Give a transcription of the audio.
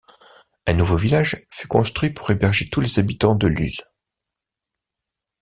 Un nouveau village fut construit pour héberger tous les habitants de Luz.